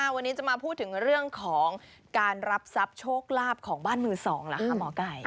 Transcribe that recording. วันนี้จะมาพูดถึงเรื่องของการรับทรัพย์โชคลาภของบ้านมือสองเหรอคะหมอไก่